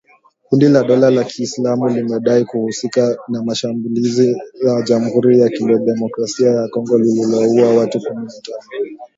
Kundi la Dola ya ki Islamu limedai kuhusika na shambulizi la Jamhuri ya Kidemokrasia ya Kongo lililouwa watu kumi na tano